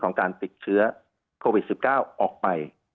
การติดเชื้อโควิด๑๙ออกไป